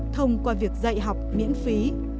thông qua việc dạy học miễn phí